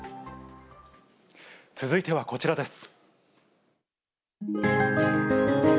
続いてはこちらです。